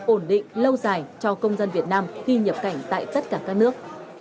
ổn định lâu dài cho công dân việt nam khi nhập cảnh tại tất cả các nước